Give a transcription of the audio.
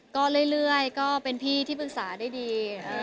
ก็เรื่อยก็เป็นพี่ที่ปรึกษาได้ดี